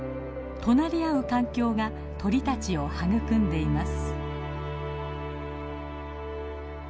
隣り合う環境が鳥たちを育んでいます。